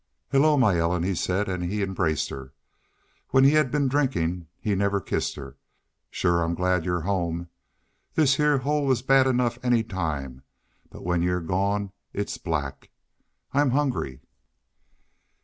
"Hello, my Ellen!" he said, and he embraced her. When he had been drinking he never kissed her. "Shore I'm glad you're home. This heah hole is bad enough any time, but when you're gone it's black.... I'm hungry."